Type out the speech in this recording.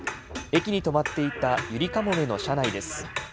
駅に止まっていたゆりかもめの車内です。